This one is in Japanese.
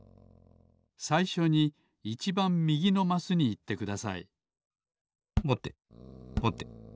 さいしょにいちばんみぎのマスにいってくださいぼてぼて。